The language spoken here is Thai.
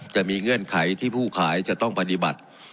เงื่อนไขที่ผู้ขายจะต้องปฏิบัติ